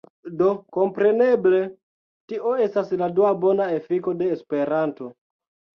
Do kompreneble, tio estas dua bona efiko de Esperanto.